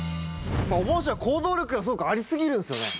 おぼん師匠は行動力がすごくあり過ぎるんですよね。